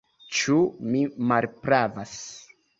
Ĉu mi malpravas?